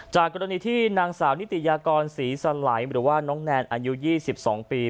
จากกรณีที่นางสาวนิติยากรศรีสไหลหรือว่าน้องแนนอายุ๒๒ปี